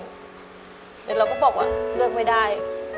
เดี๋ยวเราก็บอกว่าเลือกไม่ได้